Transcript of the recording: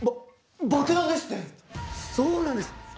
そうなんです。